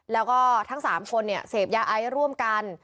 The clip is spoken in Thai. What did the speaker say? แล้วก็ทั้งสามคนเนี่ยเสพยาไอล์ร่วมกัน